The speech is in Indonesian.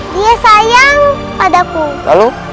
dia sayang padaku